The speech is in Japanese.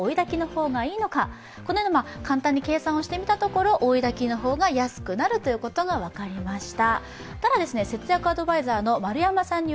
簡単に計算をしてみたところ追いだきの方が安くなることが分かりました。